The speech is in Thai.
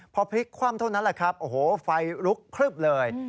พอพลิกคว่ำเท่านั้นแหละครับโอ้โหไฟลุกพลึบเลย